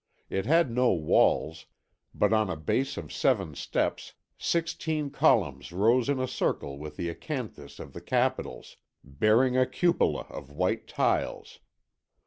It had no walls, but on a base of seven steps, sixteen columns rose in a circle with the acanthus on the capitals, bearing a cupola of white tiles.